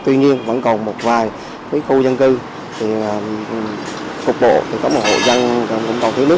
tuy nhiên vẫn còn một vài khu dân cư cục bộ có một hộ dân cũng còn thiếu nước